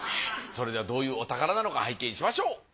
それではどういうお宝なのか拝見しましょう。